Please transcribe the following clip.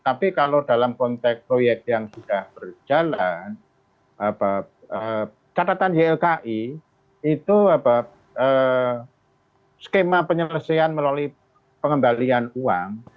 tapi kalau dalam konteks proyek yang sudah berjalan catatan ylki itu skema penyelesaian melalui pengembalian uang